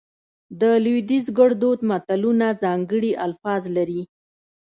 د لودیز ګړدود متلونه ځانګړي الفاظ لري